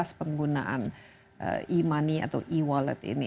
proses penggunaan e money atau e wallet ini